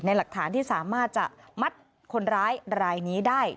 หลักฐานที่สามารถจะมัดคนร้ายรายนี้ได้